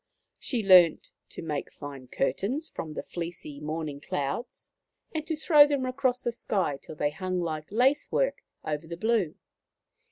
She learnt to make fine curtains from the fleecy morning clouds, and to throw them across the sky till they hung like lace work over the blue.